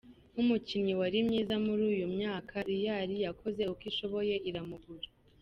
Nk’umukinnyi wari mwiza muri iyo myaka, Real yakoze uko ishoboye iramugura.